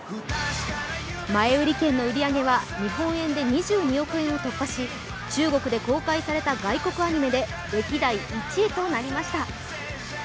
前売り券の売り上げは日本円で２２億円を突破し、中国で公開された外国アニメで歴代１位となりました。